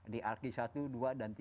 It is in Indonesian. di arki satu dua dan tiga